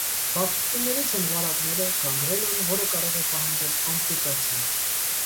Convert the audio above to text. Բարդություններից են վարակները, գանգրենան, որը կարող է պահանջել ամպուտացիա։